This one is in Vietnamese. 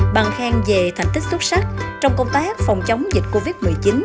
bằng khen về thành tích xuất sắc trong công tác phòng chống dịch covid một mươi chín